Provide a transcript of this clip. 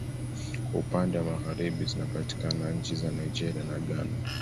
Kwa upande wa Magharibi zinapatikana nchi za Nigeria na Ghana